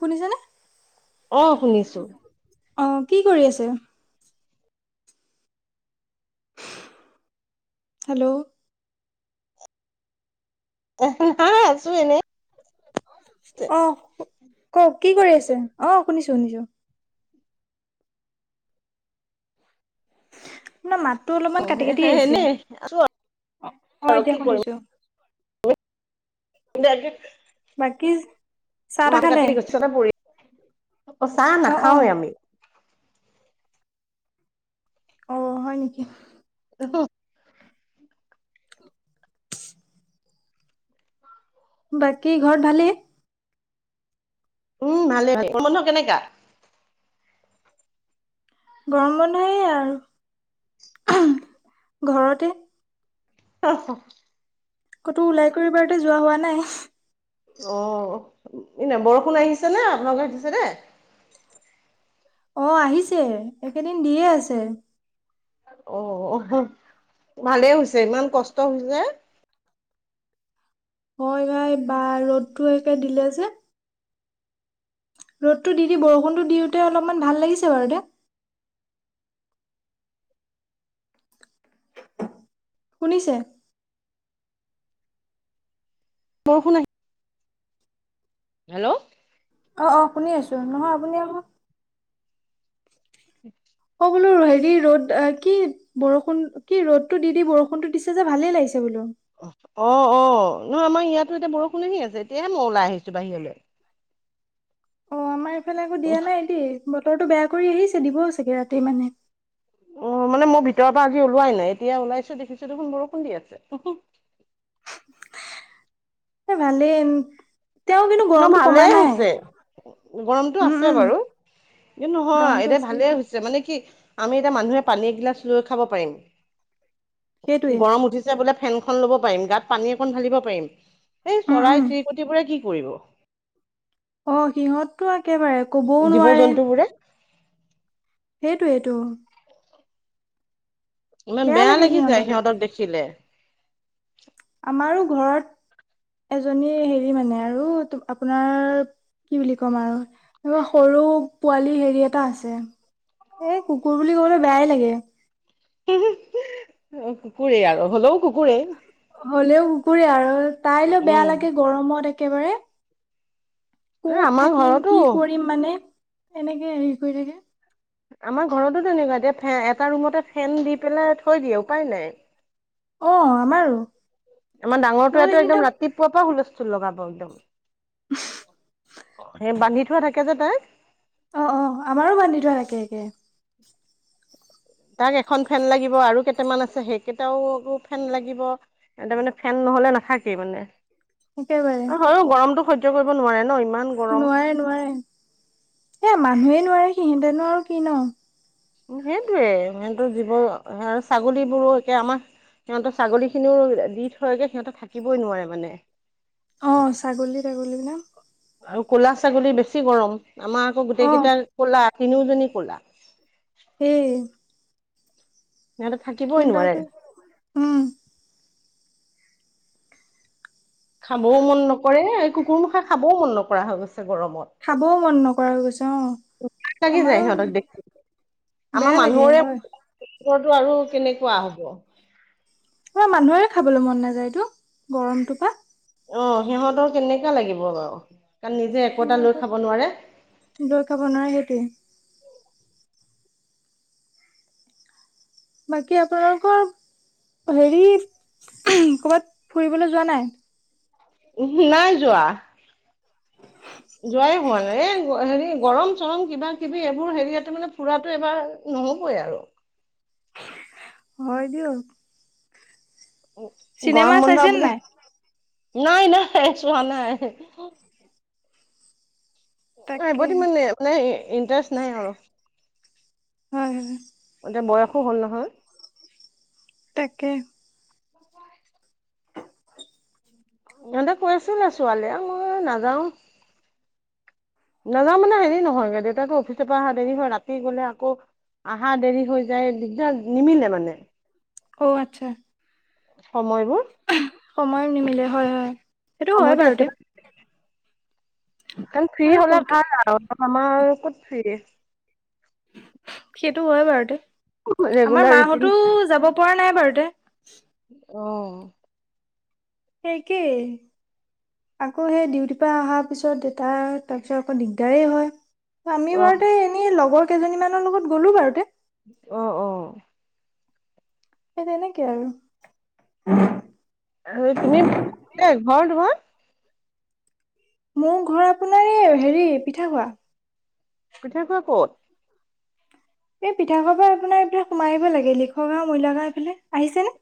শুনিছেনে? অ শুনিছো [inaudible] অ কি কৰি আছে? [inaudible] হেল্ল' [unintelligible] আছো এনেই। অ কওক কি কৰি আছে? অ শুনিছো শুনিছো। আপোনাৰ মাতটো অলপমান অ কাটি কাটি আহিছে, এনে আছো অ অঁ আৰু এতিয়া কি কৰিম শুনিছোঁ। [inaudible] বাকী চাহ তাহ খালে? পিছতে পৰি অ চাহ নাখাওৱে আমি। অ হয় নেকি? [inaudible] বাকী ঘৰত ভালেই? উম ভালে, গৰম বন্ধ কেনেকা? গৰম বন্ধ এই আৰু [unintelligible] ঘৰতে। [unintelligible] ক'তো ওলাই কৰি বাৰতে যোৱা হোৱা নাই। অ এনে বৰষুণ আহিছে নে আপোনালোকৰ সেইটো চাইডে? অ আহিছে, একেদিন দিয়ে আছে। অ ভালেই হৈছে ইমান কষ্ট হৈছে। হয় ভাই বা ৰ'দতো একে দিলে যে। ৰ'দটো দি দি বৰষুণটো দিওঁতে অলপমান ভাল লাগিছে বাৰু দে। শুনিছে? বৰষুণ আহি [unintelligible] হেল্ল'। অ অ শুনি আছো, নহয় আপুনি আক [inaudible] ক' বোলো হেৰি ৰ'দ এ কি বৰষুণ কি ৰ'দটো দি দি বৰষুণতো দিছে যে ভালেই লাগিছে বোলো। অ অ অ নহয় আমাৰ ইয়াতো এতিয়া বৰষুণে আহি আছে, এতিয়াহে মই ওলাই আহিছো বাহিৰলে। অ আমাৰ এইফালে আকৌ দিয়া নাই দেই, বতৰটো বেয়া কৰি আহিছে দিবও চাগে ৰাতি মানে। অ মানে মই ভিতৰৰ পৰা আজি ওলোৱাই নাই, এতিয়া ওলাইছো দেখিছো দেখোন বৰষুণ দি আছে। ভালেই [inaudible] তেওঁ কিন্তু ন গৰমটো কমা ভালেই নাই হৈছে, গৰমটো উম আছে উম বাৰু। এ নহয় গৰমটো এতিয়া আছে ভালে সেইটো হৈ ছে মানে কি আমি এতিয়া মানুহে পানী এগিলাচ লৈ খাব পাৰিম সেইটোৱে গৰম উঠি ছে বোলে ফেনখন ল'ব পাৰিম গাত পানী অকন ঢালিব পাৰিম এই উম উম চৰাই চিৰিকটিবোৰে কি কৰিব অ সিহঁততো একেবাৰে কবও জীৱ নোৱাৰে জন্তু বোৰে সেইটোৱেটো ইমান বেয়া লাগে লাগি যায় সিহঁতলৈ সিহঁতক দেখিলে আমাৰো ঘৰত এজনী হেৰি মানে আৰু আপোনাৰ কি বুলি ক'ম আৰু সৰু পোৱালি হেৰি এটা আছে এ কুকুৰ বুলি কবলে বেয়াই লাগে কুকুৰে আৰু হ'লও কুকুৰেই হ'লেও কুকুৰে আৰু তাইলৈ বেয়া উম লাগে গৰমত একেবাৰে এ কত আমাৰ থাকিম ঘৰতো কি কৰিম মানে এনেকে হেৰি কৰি থাকে আমাৰ ঘৰতো তেনেকুৱা এতিয়া এটা ৰুমতে ফেন দি পেলাই থৈ দিয়ে উপায় নাই অ আমাৰো আমাৰ নহ'লে ডাঙৰটোৱেটো কিন্তু একদম ৰাত ৰাতিপুৱাৰ পৰা হুলস্থুল লগাব একদম সেই বান্ধি থোৱা থাকে যে তাই অ অ আমাৰো বান্ধি থোৱা থাকে একে তাক এখন ফেন লাগিব আৰু কেইটামান আছে সেইকেইটাও ফেন লাগিব এহতে মানে ফেন নহলে নাথাকেই মানে একেবাৰে আৰু হয়ো গৰমটো সজ্য কৰিব নোৱাৰে ন ইমান গৰম নোৱাৰে নোৱাৰে এ মানুহে নোৱাৰে সিহঁতেনো আৰু কি ন সেইটোয়ে সিহঁতো জীব আৰু ছাগলী বোৰো একে আমাৰ সিহঁতৰ ছাগলী খিনিও দি থৈগে সিহঁতে থাকিবই নোৱাৰে মানে অ ছাগলী তাগলী বিলাক আৰু ক'লা ছাগলী বেছি গৰম আমাৰ আকৌ গোটেই অ কেইটা ক'লা তিনিওজনী ক'লা সেই সিহঁতে থাকিব কিন্দাও টো উম খাবও মন নকৰে এই কুকুৰ মুখাই খাবও মন নকৰা হৈ গৈছে গৰমত খাবও মন নকৰা হৈ গৈছে অ লাগি যায় আমাৰো সিহঁতক দেখি বেয়া লাগে হয় ৰদো আৰু কেনেকুৱা হব পুৰা মানুহৰে খাবলে মন নাযায় এইটো গৰমটোপা অ সিহঁতৰ কেনেকা লাগিব বাওঁ কাৰণ নি সিহঁতৰ দৈ খব নোৱাৰে সেইটোৱে বাকী আপোনালোকৰ হেৰি ক'ৰবাত ফুৰিবলৈ যোৱা নাই উ নাই যোৱা যোৱাই হোৱা নাই এই হেৰি গৰম চৰম কিবা কিবি এইবোৰ হেৰিয়তে মানে ফুৰাটো এবাৰ নহবই আৰু হয় দিয়ক চিনেমা গৰম বন্ধ চাইছে বুলি নাই নাই নাই চোৱা নাই তাকে এইবতি মানে মানে ইণ্টাৰেষ্ট নাই আৰু হয় হয় হয় এতিয়া বয়সো হ'ল নহয় তাকে সিহঁতে কৈ আছিলে, ছোৱালীয়ে মই নাযাও। নাযাওঁ মানে হেৰি নহয়গে, দেউতাকে অফিচৰ পৰা অহা দেৰি হয়, ৰাতি গ'লে আকৌ - আহা দেৰি হৈ যায়, দিগদাৰ নিমিলে মানে। অ আচ্ছা। সময়বোৰ। সময় নিমিলে হয় হয়, সেইটো হয় সময়টো বাৰু দে। একেবাৰে কাৰণ ফ্ৰী আৰু হ'লে সোনকাল ভাল আৰু, আমাৰ ক'ত ফ্ৰী। সেইটো হয় বাৰুতে, আমাৰ ৰেগুলাৰ মাহতো ৰুটিন যাব পৰা নাই বাৰুতে। অ, সেই একেই। আকৌ সেই ডিউটিৰ পৰা অহাৰ পিছত দেতাৰ তাৰপিছত আকৌ দিগদাৰেই হয়। আমি অ' বাৰুতে এনেই লগৰ কেইজনী মানৰ লগত গ'লো বাৰুতে। অ, অ সেই তেনেকে আৰু। আৰু তুমি কতেই, কত ঘৰ? মোৰ ঘৰ আপোনাৰ এই হেৰি পিঠা খোৱা। পিঠা খোৱা ক'ত? এই পিঠা খোৱা পা আপোনাৰ এইফালে সোমাই আহিব লাগে লিখৰ গাওঁ ম‌ইলা গাওঁ এইফালে, আহিছে নে?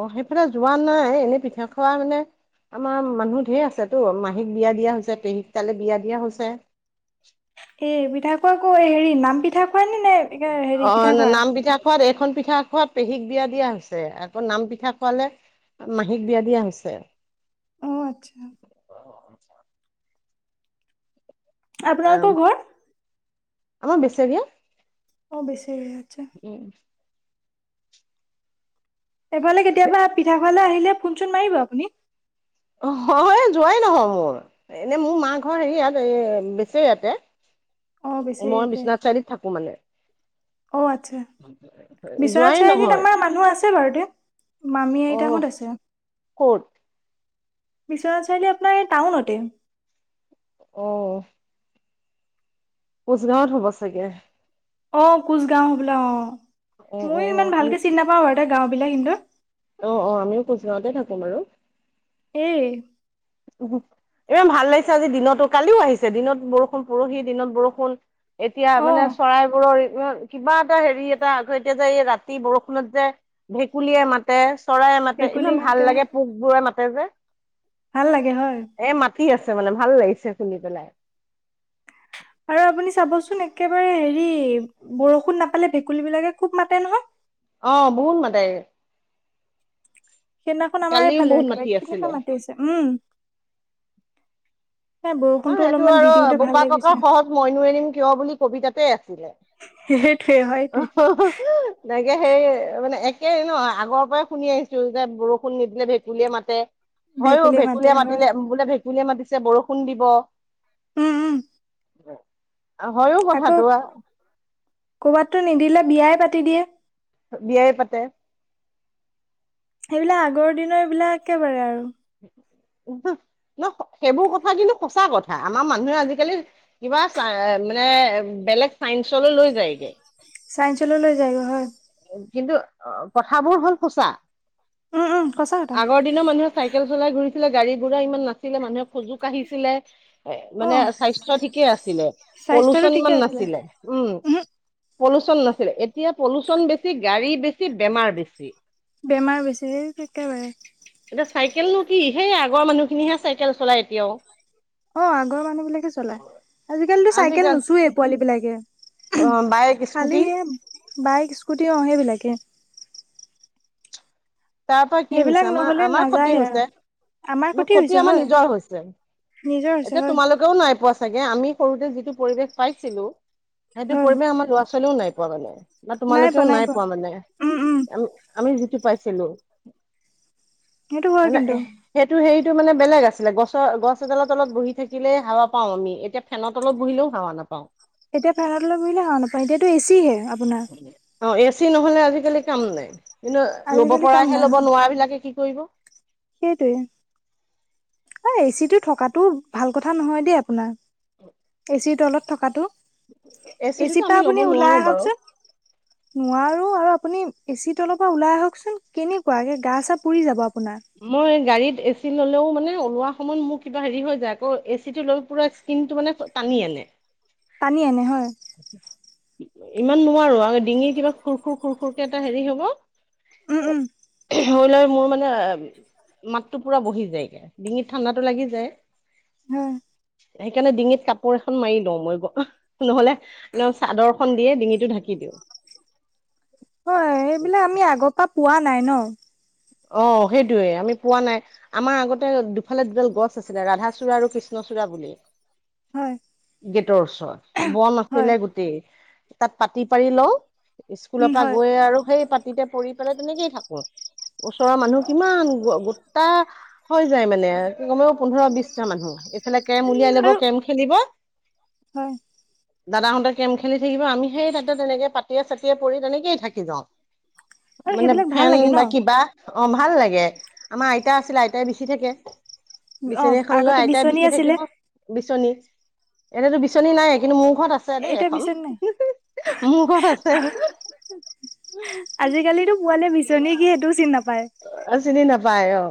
অ সেইফালে যোৱা নাই এনেই পিঠা খোৱা মানে - আমাৰ মানুহ ঢেৰ আছে তো মাহীক বিয়া দিয়া হৈছে পেহক তালে বিয়া দিয়া হৈছে। এ পিঠা খোৱা ক, হেৰি নাম পিঠা- অ, নাম পিঠা- খোৱাত এইখন পিঠা খোৱাত পেহীক বিয়া দিয়া হৈছে আকৌ নাম পিঠা খোৱালে - মাহীক বিয়া দিয়া হৈছে। অ আচ্ছা। অ, আপোনালোকৰ ঘৰ? আমাৰ বেচেৰীয়া। অ বেচেৰীয়া আচ্ছা। উম, এফালে কেতিয়াবা পিঠা খোৱালে আহিলে ফোনচোন মাৰিব আপুনি। হয়, যোৱাই নহয়। এনে মোৰ মা ঘৰ হেইয়াত এ বেচেৰীয়াতে। অ' বেচেৰি মই বিশ্বনাথ চাৰিআলিত থাকো মানে। অঁ আচ্ছা। যোৱাই বিশ্বনাথ চাৰিআলিত নহয় আমাৰ মানুহ আছে বাৰুতে, মামী অ আইতাহত আছে। ক'ত? বিশ্বনাথ চাৰিআলি আপোনাৰ এই টাউনতে। অ, কোচগাঁৱত হ'ব চাগে! অ কোচগাওঁ হবলা অ, অ অ মইয়ো ইমান ভালকে অ চিনি নাপাওঁ বাৰু তে গাওঁ বিলাক কিন্তু। অ, অ আমিও কোচগাঁৱতে থাকো বাৰু। এই ইমান ভাল লাগিছে আজি দিনত কালিও আহিছে দিনত বৰষুণ পৰহি দিনত বৰষুণ - এতিয়া অ মানে চৰাইবোৰৰ - অ কিবা এটা হেৰি এটা আঘত দিয়ে যে এই ৰাতি বৰষুণত যে ভেকুলীয়ে মাত- মাতে চৰাইয়ে মাতে ভেকুলী ইমান মাতে ভাল লাগে পোকবোৰে মাতে যে। ভাল লাগে হয়। এ মাতি আছে মানে ভাল লাগিছে শুনি পেলাই। আৰু আপুনি চাবচোন একেবাৰে হেৰি বৰষুণ নাপালে ভেকুলী বিলাকে খুব মাতে নহয়। অঁ, বহুত মাতে। সেইদিনাখন কালিও আমাৰফালে বহুত মাতি একেবাৰে আছিলে কেনেকুৱা মাতিছে, উম? নাই অঁ, বৰষুণতো সেইটো অলপমান আৰু দি দিওঁতে ভাল বোপা লাগিছে ককাৰ সহজ মইনু এৰিম কিয় বুলি কবিতাতে আছিলে। সেইটোৱে, হয়টোৱে। তেনেকে সেই মানে একেই ন আগৰ পৰাই শুনি আহিছো যে বৰষুণ নিদিলে ভেকুলীয়ে মাতে। হয়ো ভেকুলী মাতে ভেকুলীয়ে হয় মাতিলে বোলে ভেকুলীয়ে মাতিছে বৰষুণ দিব। উম উম। হয়ো কথাটো আৰু। ক'ৰবাতো নিদিলে বিয়াই পাতি দিয়ে। বিয়াই পাতে। সেইবিলাক আগৰ দিনৰবলাক একেবাৰে আৰু। ন সেইবোৰ কথা কিন্তু সঁচা কথা আমাৰ মানুহে আজিকালি কিবা চ মানে বেলেগ চাইন্ঞ্চলৈ লৈ যায়গে। চাইঞ্চল লৈ যায়গে হয়। কিন্তু অ কথাবোৰ হল সোচা উম উম সঁচা কথা আগৰ দিন মানুহে চাইকেল চলাই ঘৰিছিলে গাড়ী- ঘোঁৰা ইমান নাছিলে মানুহে সুযোগ আহিছিলে এ অ মানে স্বাস্থ্য ঠিকে আছিলে স্বাস্থ্যটো পলুচন ঠিকে ইমান আছিলে নাছিলে। উম উহু পলুচন নাছিলে এতিয়া পলুচন বেছি বে গাড়ী বেছি বেমাৰ বেছি। বেমাৰ বেছি একেবাৰে। এতিয়া চাইকেলনো কি সেই আগৰ মানুহখিনিহে চাইকেল চলাই এতিয়াও। অ আগৰ মানুহ বিলাকে চলাই আজিকালিতো চাইকেল আজিকালি নোচোৱেই পোৱালী বিলাকে। অ বাইক খালি স্কুটি এ বাইক স্কুটি অঁ, সেইবিলাকে। তাৰ পৰা কি হৈছে সেইবিলাক আমাৰ নহ'লে আমাৰ ক্ষতি নাযায় আৰু হৈছে। আমাৰ ন' ক্ষতি হৈছে আমাৰ হয় নিজৰ হৈছে নিজৰ হৈছে এতিয়া হয় তোমালোকে নাই পোৱা চাগে আমি সৰুতে যিটো পৰিবেশ পাইছিলো সেইটো হয় পৰিবেশ আমাৰ ল'ৰা ছোৱালীও নাই মানে বা তোমালোকেও নাই পোৱা মানে উম উম আমি যিটো পাইছিলো সেইটো হয় মানে কিন্তু সেইটো হেৰিতটো মানে বেলেগ আছিলে গছৰ গছ এডালৰ তলত বহি থাকিলে হাৱা পাওঁ আমি এতিয়া ফেন তলত বহিলেও হাৱা নাপাওঁ। এতিয়া ফেন তলত বহিলেও হাৱা নাপায় এতিয়াতো এ চিহে আপোনাৰ। অঁ, এ চি নহলে আজিকালি কাম নাই কিন্তু লব আজিকালি কাম পৰাহে নাই ল'ব হয় নোৱাৰ বিলাকে কি কৰিব? সেইটোৱে আও এ চি টো থকাতটো ভাল কথা নহয় দেই আপোনাৰ। এ চি ৰ তলত থকাতটো এ চি চিটোতো ৰ আমি পৰা ল'ব আপুনি ওলাই নোৱাৰো বাৰু আহকচোন? নোৱাৰো আৰু আপুনি এ চি তলৰ পৰা ওলাই আহকচোন কেনেকুৱাকে গা চা পুৰি যাব আপোনাৰ। মই গাড়ীত এ চি ল'লেও মানে ওলোৱা সময়ত মোৰ কিবা হেৰি হৈ যায়। আকৌ এচি টো লৈ পুৰা স্কিন টো মানে টানি আনে। টানি আনে হয়। ইমান নোৱাৰো আৰু ডিঙি কিবা খুৰ খুৰ খুৰ খুৰকে এটা হেৰি হব। উম উম হৈ লৈ মোৰ মানে মাতো পুৰা বহি যায়গ ডিঙিত ঠাণ্ডাতটো লাগি যায়। হুম। সেইকাৰণে ডিঙিত কাপোৰ এখন মাৰি লও মই নহলে একদম চাদৰ খন দিয়ে ডিঙিটো ঢাকি দিওঁ হয় এইবিলাক আমি আগৰ পৰা পোৱা নাই ন অ সেইটোয়ে আমি পোৱা নাই আমাৰ আগতে দুফালে দুদাল গছ আছিলে ৰাধাচূড়া আৰু কৃষ্ণচূড়া বুলি হয় গেটৰ ওচৰত বন হয় আছিলে গোটেই তাত পাতি পাৰি লওঁ স্কুলৰ উম পৰা হয় গৈ আৰু সেই পাতিতে পৰি পেলাই তেনেকেই থাকো ওচৰৰ মানুহ কিমান গো গোটা হৈ যায় মানে কমেও পোন্ধৰ বিশটা মানুহ এইফালে কেম উলিয়াই লব আৰু কেম খেলিব হয় দাদাহঁতে কেম খেলি থাকিব আমি সেই তাতে তেনেকে পাতিয়ে চাতিয়ে পৰি তেনেকেইে থাকি যাওঁ আৰু মানে সেইবিলাক ভাল ফেন লাগে ন বা কিবা অ ভাল লাগে আমাৰ আইতা আছিলে আইতাই বিচি থাকে অ বিচনী এখন লৈ আগতে আইতাই বিচনী বিচি আছিলে থাকিব বিচনী এনেতো বিচনী নাই কিন্তু মোৰ ঘৰত আছে দেই এতিয়া এখন বিচনী নাই হে হেই মোৰ ঘৰত আছে আজিকালিতো পোৱালিয়ে বিচনী কি সেইটোও চিনি নাপায় অ চিনি নাপায় অ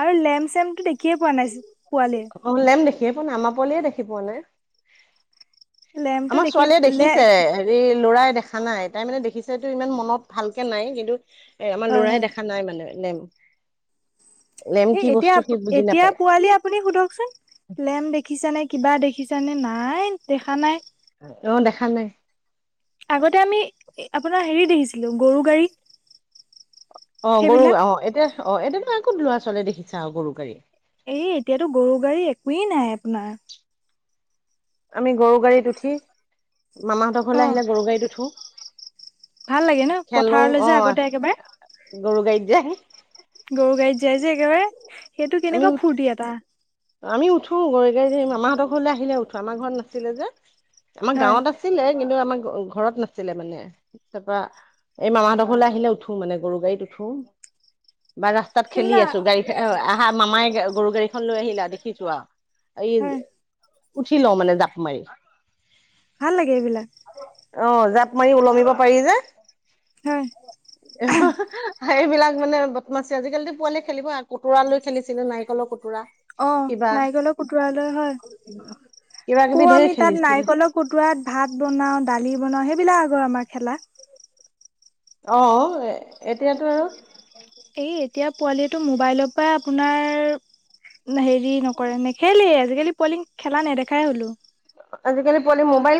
আৰু লেম্প চেমটো দেখিয়ে পোৱা নাই পোৱালিয়ে অ লেম্প দেখিয়ে পোৱাাই আমাৰ পোৱলিয়ে দেখি পোৱা নাই লেম্পটো আমাৰ দেখি ছোৱালীয়ে লে দেখিছে এই ল'ৰাই দেখা নাই তাই মানে দেখিছে যদিও ইমান মনত ভালকে নাই কিন্তু এ আমাৰ হয় ল'ৰাই হয় দেখা নাই মানে লেম্প এ এতিয়া সি বুজি এতিয়া নাপায় পোৱালি আপুনি সোধকচোন লেম্প দেখিছানে কিবা দেখিছানে নাই দেখা নাই অ দেখা নাই আগতে আমি আপোনাৰ হেৰি দেখিছিলো গৰু গাড়ী অ গৰু সেইবিলাক অ এতিয়া অ এতিয়ানো আ কত ল'ৰা ছোৱালীয়ে দেখিছে আৱ গৰু গাড়ী এই এতিয়াতো গৰু গাড়ী একোৱেই নাই আপোনাৰ আমি গৰু গাড়ীত উঠি মামাহঁতৰ অ ঘৰলৈ আহিলে গৰু গাড়ীত উঠো ভাল লাগে ন খেলো পথাৰলৈ অ যে আগতে একেবাৰে গৰু গাড়ীত যায় গৰু গাড়ীত যাই যে একেবাৰে সেইটো কেনেকোৱা ফূুৰ্তি এটা আমি উঠো গৰু গাড়ী মামাহঁতৰ ঘৰলৈ আহিলে উঠো আমাৰ ঘৰত নাছিলে যে আমাৰ হয় গাঁৱত আছিলে কিন্তু আমাৰ ঘৰত নাছিলে মানে তা পা এই মামাহঁতৰ ঘৰলৈ আহিলে উঠো মানে গৰু গাড়ীত উঠো বা তাত খেলি সেইবিলাক আছো গাড়ী আহা মামাই গৰু গাড়ীখন লৈ আহিলে দেখিছো আৱ এই হয় উঠি লওঁ মানে জাপ মাৰি। ভাল লাগে এইবিলাক অ জাপ মাৰি ওলমিব পাৰি যে। উম [unintelligible] এইবিলাক মানে বদমাচি আজিকালিতো পোৱালিয়ে খেলিব কুতুৰা লৈ খেলিছিলো নাৰিকলৰ কুতুৰা অ নাৰিকলৰ কুতুৰালৈ হয় কিবা কিবি কও ধেৰ আমি তাত খেলিছিলো। নাৰিকলৰ খুতোৰাত ভাত বনাওঁ দালি বনাওঁ সেইবিলাক আগৰ আমাৰ খেলা। অ অ এ এতিয়াতো আৰু এই এতিয়া পোৱালিয়েটো মোবাইল পা আপোনাৰ হেৰি নকৰে নে- খেলেই আজিকালি পলিং খেলা নেদেখাই হ'লোঁ। আজিকালি পলিং মোবাইল